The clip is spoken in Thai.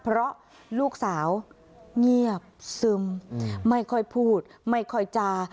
เพราะลูกสาวเงียบซึมไม่ค่อยพูดไม่ค่อยจา